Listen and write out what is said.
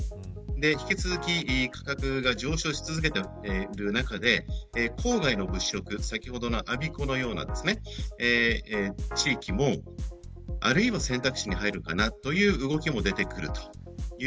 引き続き価格が上昇し続けている中で郊外の物件先ほどの我孫子のような地域も選択肢に入るかなという動きも出てくるという。